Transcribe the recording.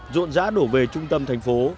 rộn rã đổ về trung tâm thành phố